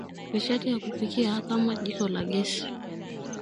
nishati ya kupikia kama jiko la gesi